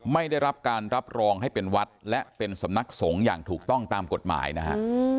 ไม่ได้รับการรับรองให้เป็นวัดและเป็นสำนักสงฆ์อย่างถูกต้องตามกฎหมายนะฮะ